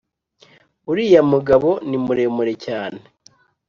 uriya mugabo ni muremure cyane